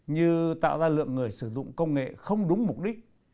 như tạo ra lượng người sử dụng công nghệ không đúng mục đích